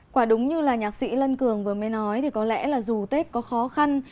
quả đúng như là nhạc sĩ lân cường vừa mới nói thì có lẽ là dù tết có khó khăn